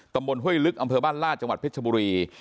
ตำบลเฮ่ยลึกอำเภอบ้านล่าจังหวัดพริชบุรี